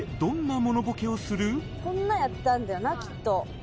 こんなんやったんだよなきっと。